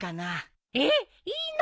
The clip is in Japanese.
えっいいの？